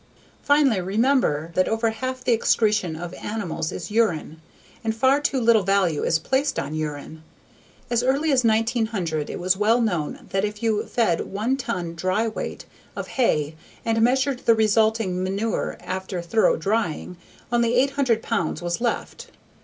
Finally, remember that over half the excretion of animals is urine. And far too little value is placed on urine. As early as 1900 it was well known that if you fed one ton (dry weight) of hay and measured the resulting manure after thorough drying, only 800 pounds was left.